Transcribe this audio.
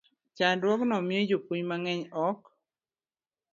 Chandruogno miyo jopuonj mang'eny ok